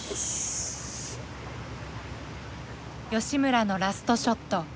吉村のラストショット。